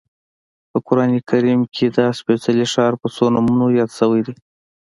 په قران کریم کې دا سپېڅلی ښار په څو نومونو یاد شوی دی.